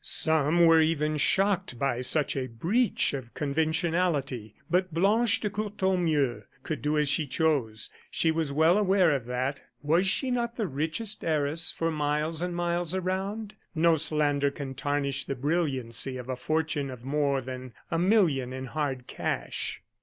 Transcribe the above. Some were even shocked by such a breach of conventionality. But Blanche de Courtornieu could do as she chose; she was well aware of that. Was she not the richest heiress for miles and miles around? No slander can tarnish the brilliancy of a fortune of more than a million in hard cash.